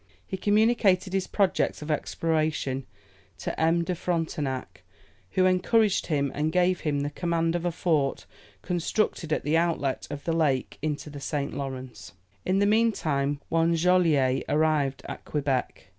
He communicated his projects of exploration to M. de Frontenac, who encouraged him, and gave him the command of a fort constructed at the outlet of the lake into the St. Lawrence. In the meantime, one Jolyet arrived at Quebec.